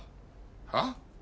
はっ？